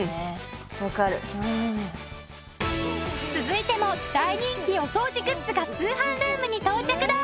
続いても大人気お掃除グッズが通販ルームに到着だ！